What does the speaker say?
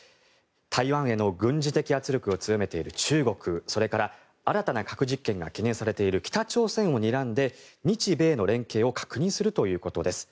台湾への軍事的圧力を強めている中国それから新たな核実験が懸念されている北朝鮮をにらんで日米の連携を確認するということです。